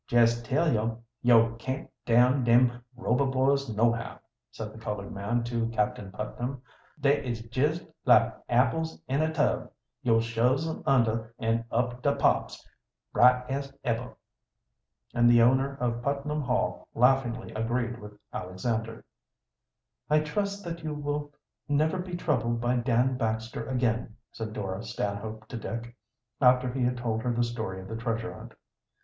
"Jes tell yo', yo' can't down dem Rober boys nohow," said the colored man to Captain Putnam. "Da is jes like apples in a tub yo' shoves 'em under, an' up da pops, bright as eber." And the owner of Putnam Hall laughingly agreed with Alexander. "I trust that you will never be troubled by Dan Baxter again," said Dora Stanhope to Dick, after he had told her the story of the treasure hunt.